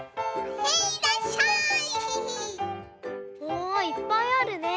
おいっぱいあるね。